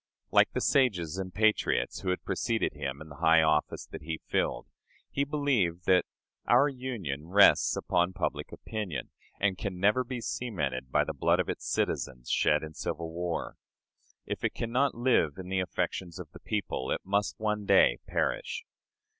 Like the sages and patriots who had preceded him in the high office that he filled, he believed that "our Union rests upon public opinion, and can never by cemented by the blood of its citizens shed in civil war. If it can not live in the affections of the people, it must one day perish.